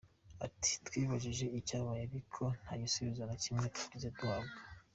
Ati “Twibajije icyabaye ariko nta gisubizo na kimwe twigeze duhabwa.